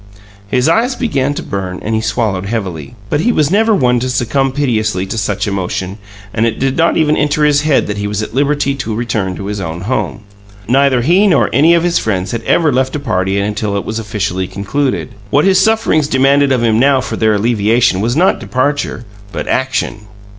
His eyes began to burn, and he swallowed heavily; but he was never one to succumb piteously to such emotion, and it did not even enter his head that he was at liberty to return to his own home. Neither he nor any of his friends had ever left a party until it was officially concluded. What his sufferings demanded of him now for their alleviation was not departure but action!